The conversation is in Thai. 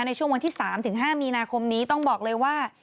ในช่วงวันที่๓๕มีนาคมนี้ต้องบอกเลยว่า